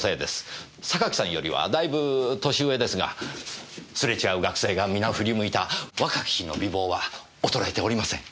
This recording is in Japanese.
榊さんよりはだいぶ年上ですがすれ違う学生がみな振り向いた若き日の美貌は衰えておりません。